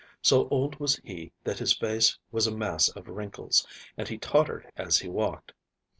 So old was he that his face was a mass of wrinkles, and he tottered as he walked.